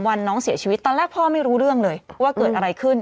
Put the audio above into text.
น้องเสียชีวิตตอนแรกพ่อไม่รู้เรื่องเลยว่าเกิดอะไรขึ้น